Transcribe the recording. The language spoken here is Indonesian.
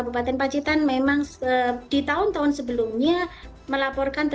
kami dari tim monitoring untuk l lapse